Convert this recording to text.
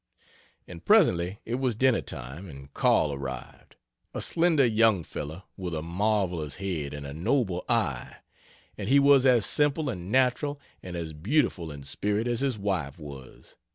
And presently it was dinner time and "Karl" arrived a slender young fellow with a marvelous head and a noble eye and he was as simple and natural, and as beautiful in spirit as his wife was.